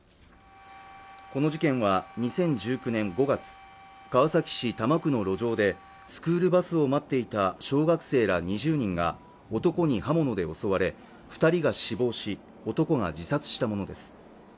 この事件は２０１９年５月川崎市多摩区の路上でスクールバスを待っていた小学生ら２０人が男に刃物で襲われ二人が死亡し男が自殺したものです